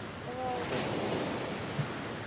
ওরা ওকে কেন বাঁচিয়ে রাখল?